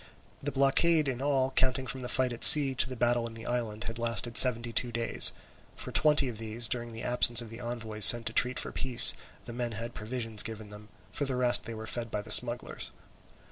The blockade in all, counting from the fight at sea to the battle in the island, had lasted seventy two days. For twenty of these, during the absence of the envoys sent to treat for peace, the men had provisions given them, for the rest they were fed by the smugglers.